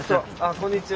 こんにちは。